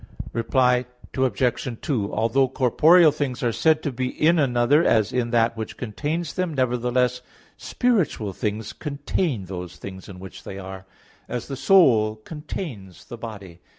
Reply Obj. 2: Although corporeal things are said to be in another as in that which contains them, nevertheless, spiritual things contain those things in which they are; as the soul contains the body.